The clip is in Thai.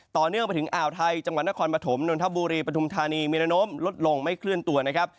ต่อเนื่องไปถึงอ่าวไทยจังหวัดนครปฐมนนทบุรีปฐุมธานีมีระนมลดลงไม่เคลื่อนตัวนะครับ